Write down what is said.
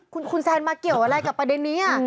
คุณแซนมาเกี่ยวอะไรกับประเด็นนี้